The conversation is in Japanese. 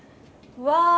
うわ！